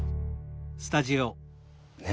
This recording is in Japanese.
ねえ。